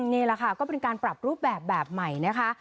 นี่แหละค่ะก็เป็นการปรับรูปแบบแบบใหม่นะคะ